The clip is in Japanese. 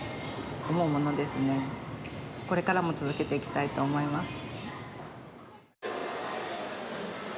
これからも続けていきたいと思います。